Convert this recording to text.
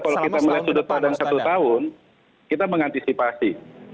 kalau kita melihat sudut padang satu tahun kita mengantisipasi